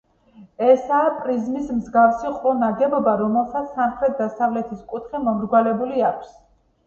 ესაა პრიზმის მსგავსი ყრუ ნაგებობა, რომელსაც სამხრეთ-დასავლეთის კუთხე მომრგვალებული აქვს.